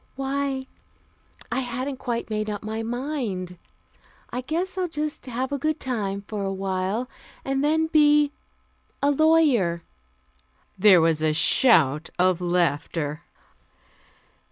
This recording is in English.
"Why I hadn't quite made up my mind. I guess I'll just have a good time for a while, and then be a lawyer." There was a shout of laughter.